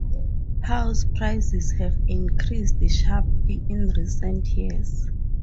House prices have increased sharply in recent years.